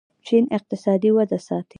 چین اقتصادي وده ساتي.